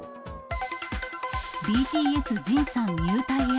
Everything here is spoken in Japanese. ＢＴＳ・ＪＩＮさん入隊へ。